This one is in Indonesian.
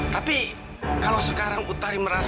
tapi kalau sekarang utari merasa